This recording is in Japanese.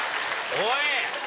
おい！